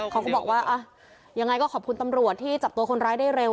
เขาก็บอกว่ายังไงก็ขอบคุณตำรวจที่จับตัวคนร้ายได้เร็ว